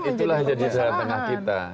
itulah yang jadi jalan tengah kita